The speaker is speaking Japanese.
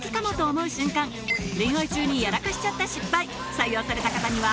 採用された方には